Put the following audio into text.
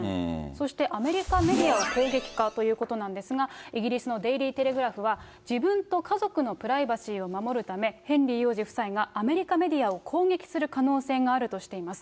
そして、アメリカメディアを攻撃かということなんですが、イギリスのデイリー・テレグラフは、自分と家族のプライバシーを守るため、ヘンリー王子夫妻がアメリカメディアを攻撃する可能性があるとしています。